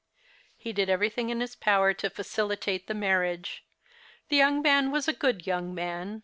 He did everything in his power to facilitate the marriage. The young man was a good young man.